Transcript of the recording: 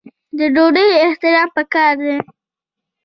د ډوډۍ احترام پکار دی.